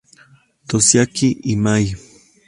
Toshiaki Imai